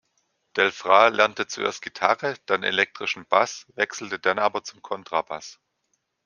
Del Fra lernte zuerst Gitarre, dann elektrischen Bass, wechselte dann aber zum Kontrabass.